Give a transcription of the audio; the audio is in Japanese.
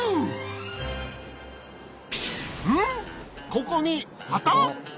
ここに旗？